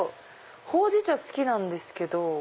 ほうじ茶好きなんですけど。